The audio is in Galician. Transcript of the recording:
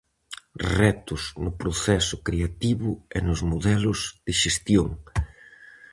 Retos no proceso creativo e nos modelos de xestión.